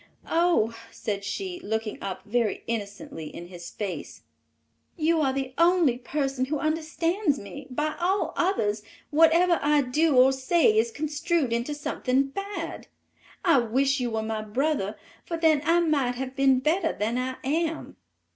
"Oh," said she, looking up very innocently in his face, "you are the only person who understands me; by all others, whatever I do or say is construed into something bad. I wish you were my brother, for then I might have been better than I am."